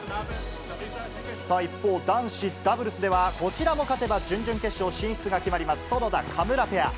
さあ、一方、男子ダブルスでは、こちらも勝てば準々決勝進出が決まります、園田・嘉村ペア。